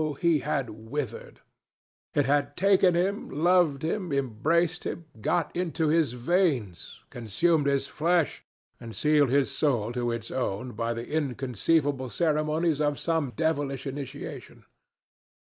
he had withered; it had taken him, loved him, embraced him, got into his veins, consumed his flesh, and sealed his soul to its own by the inconceivable ceremonies of some devilish initiation.